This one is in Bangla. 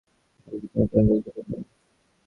মার্জি, তোমার আঙ্কেলকে খেতে দাও!